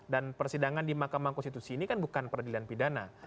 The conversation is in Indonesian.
dan persidangan di mahkamah konstitusi ini kan bukan peradilan pidana